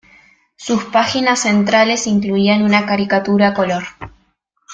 Sus páginas centrales incluían una caricatura a color.